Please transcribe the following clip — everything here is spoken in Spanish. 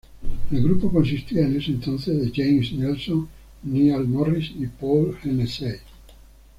El grupo consistía en ese entonces de James Nelson, Niall Morris y Paul Hennessey.